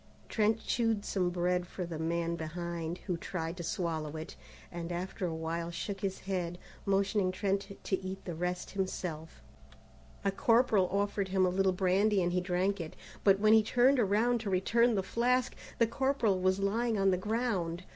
Trent chewed some bread for the man behind, who tried to swallow it, and after a while shook his head, motioning Trent to eat the rest himself. A corporal offered him a little brandy and he drank it, but when he turned around to return the flask, the corporal was lying on the ground.